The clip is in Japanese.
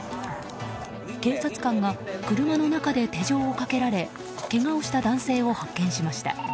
警察官が車の中で手錠をかけられけがをした男性を発見しました。